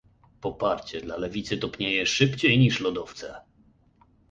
Poparcie dla lewicy topnieje szybciej niż lodowce